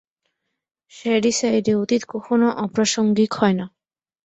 শ্যাডিসাইডে, অতীত কখনো অপ্রাসঙ্গিক হয়না।